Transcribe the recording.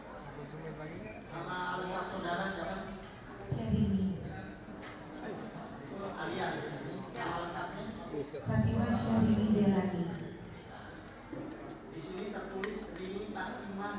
agama berbicara perempuan kebangsaan indonesia pekerjaan entertainer penyanyi artis betul alamat